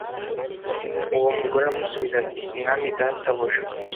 uwo mugore aramusubiza ati mwami databuja